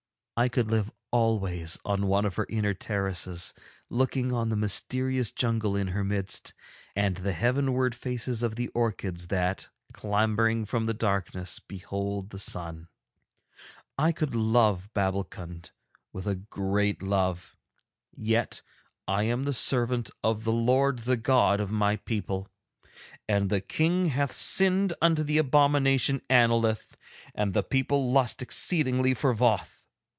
I could live always on one of her inner terraces looking on the mysterious jungle in her midst and the heavenward faces of the orchids that, clambering from the darkness, behold the sun. I could love Babbulkund with a great love, yet am I the servant of the Lord the God of my people, and the King hath sinned unto the abomination Annolith, and the people lust exceedingly for Voth.